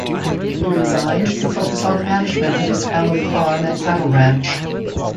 He resigned to focus on the management of his family farm and cattle ranch.